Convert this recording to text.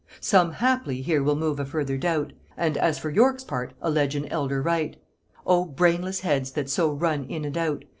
"Some haply here will move a further doubt, And as for York's part allege an elder right: O brainless heads that so run in and out!